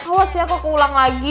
awas ya aku keulang lagi